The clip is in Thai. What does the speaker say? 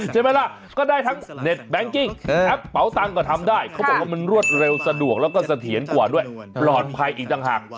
ใช่ไหมล่ะก็ได้ทั้งเน็ตแบงกิ้งแอปเป๋าตังค์ก็ทำได้เขาบอกว่ามันรวดเร็วสะดวกแล้วก็เสถียรกว่าด้วยปลอดภัยอีกต่างหาก